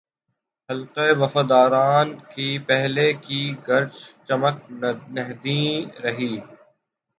حلقۂ وفاداران کی پہلے کی گرج چمک نہیںرہی۔